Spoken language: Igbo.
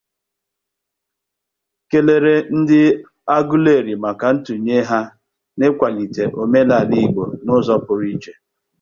kelere ndị Agụleri maka ntụnye ha n'ịkwàlite omenala Igbo n'ụzọ pụrụ iche